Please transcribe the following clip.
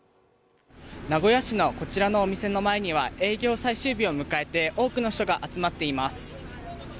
名古屋市のこちらの店の前には営業最終日を迎えて多くの人が集まっています。